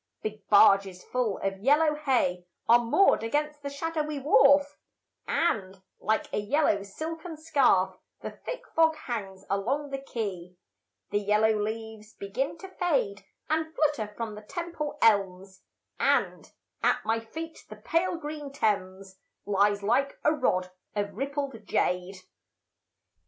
Big barges full of yellow hay Are moored against the shadowy wharf, And, like a yellow silken scarf, The thick fog hangs along the quay. The yellow leaves begin to fade And flutter from the Temple elms, And at my feet the pale green Thames Lies like a rod of rippled jade.